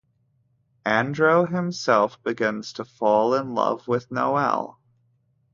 Andro himself begins to fall in love with Noelle.